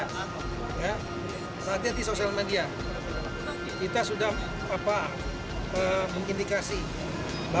kita sudah mengindikasi bahwa sosial media itu ada kelompok kelompok yang memiliki hal yang tidak terlalu baik